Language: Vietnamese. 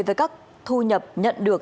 với các thu nhập nhận được